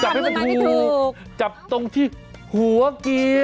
ให้มันถูกจับตรงที่หัวเกียร์